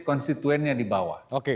konstituennya di bawah